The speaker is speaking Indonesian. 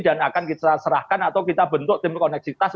dan akan kita serahkan atau kita bentuk tim koneksitas